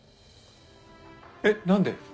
えっ何で？